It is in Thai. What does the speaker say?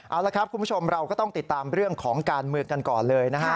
เอาละครับคุณผู้ชมเราก็ต้องติดตามเรื่องของการเมืองกันก่อนเลยนะฮะ